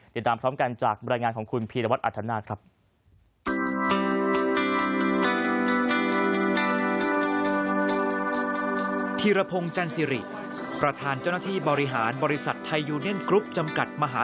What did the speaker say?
ติดตามพร้อมกันจากบรรยายงานของคุณพีรวัตรอัธนาคครับ